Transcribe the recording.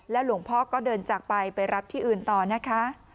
หลวงพ่อก็เดินจากไปไปรับที่อื่นต่อนะคะ